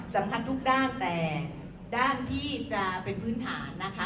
สำคัญทุกด้านแต่ด้านที่จะเป็นพื้นฐานนะคะ